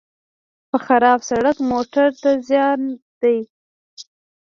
په خراب سړک موټر ته زیان دی.